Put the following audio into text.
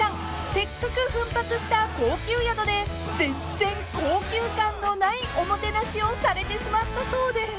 せっかく奮発した高級宿で全然高級感のないおもてなしをされてしまったそうで］